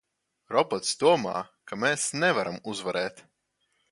Robots domā, ka mēs nevaram uzvarēt!